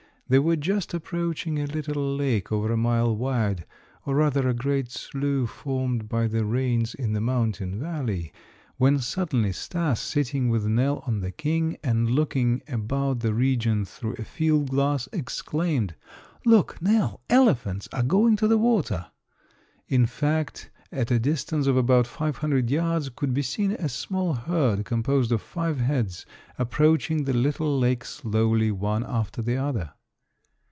They were just approaching a little lake over a mile wide, or rather a great slough formed by the rains in the mountain valley, when suddenly Stas, sitting with Nell on the King, and looking about the region through a field glass, exclaimed: "Look, Nell! Elephants are going to the water." In fact, at a distance of about five hundred yards could be seen a small herd composed of five heads, approaching the little lake slowly one after the other.